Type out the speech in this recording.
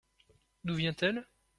D’où vient-elle ?